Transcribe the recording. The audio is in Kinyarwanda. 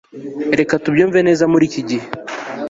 reka tubyumve neza muriki gihe